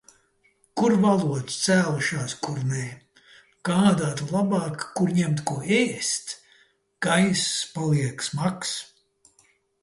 Kur valodas cēlušās, kur nē. Gādātu labāk, kur ņemt ko ēst. Gaiss paliek smags.